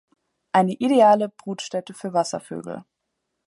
Eine ideale Brutstätte für Wasservögel.